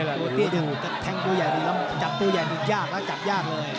ให้ดูสิแน็กก็แทงตัวใหญ่ดีหลับหมดจับตัวใหญ่ดียากแล้วก็จับยากเลย